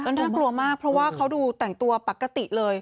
น่ากลัวมากเพราะว่าเขาดูแต่งตัวปกติเลย